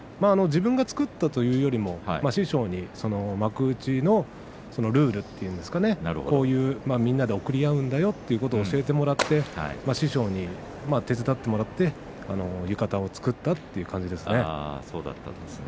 自分が作ったというよりも師匠に幕内ルールといいますかねこういう、みんなで贈り合うんだということを教えてもらって師匠に手伝ってもらって浴衣を作ったという感じですね。